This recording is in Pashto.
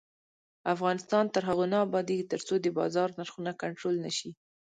افغانستان تر هغو نه ابادیږي، ترڅو د بازار نرخونه کنټرول نشي.